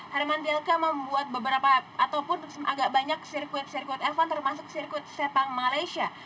hermantilke membuat beberapa ataupun agak banyak sirkuit sirkuit event termasuk sirkuit sepang malaysia